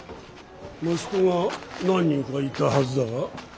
息子は何人かいたはずだが。